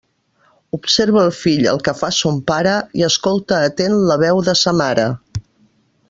Observa el fill el que fa son pare, i escolta atent la veu de sa mare.